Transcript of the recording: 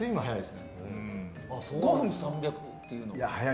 ５分で３００というのは。